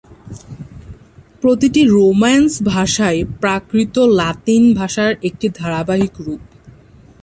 প্রতিটি রোমান্স ভাষাই প্রাকৃত লাতিন ভাষার একটি ধারাবাহিক রূপ।